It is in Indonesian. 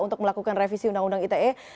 untuk melakukan revisi undang undang ite